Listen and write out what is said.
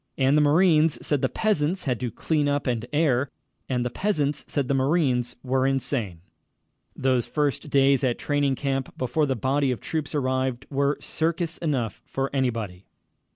And the marines said the peasants had to clean up and air, and the peasants said the marines were insane. Those first days at training camp, before the body of the troops arrived, were circus enough for anybody.